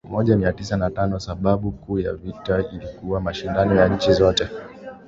moja mia tisa na tanoSababu kuu ya vita ilikuwa mashindano ya nchi zote